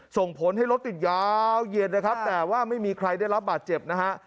ส่งผลให้รถติดยาวเย็นนะครับแต่ว่าไม่มีใครได้รับบาดเจ็บนะฮะ